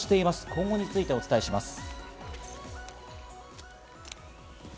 今後についてお伝えします。